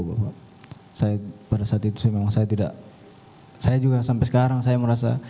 bahwa pada saat itu memang saya tidak saya juga sampai sekarang saya merasa